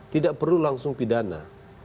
tidak perlu langsung pidana